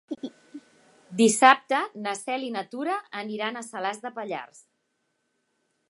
Dissabte na Cel i na Tura aniran a Salàs de Pallars.